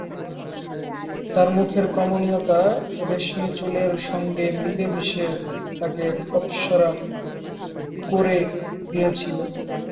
তার মুখের কমনীয়তা রেশমি চুলের সঙ্গে মিলেমিশে তাকে অপ্সরা করে দিয়েছিল।